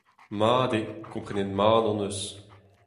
Mat eo, komprenet-mat hon eus.